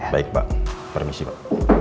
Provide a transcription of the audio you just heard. baik pak permisi pak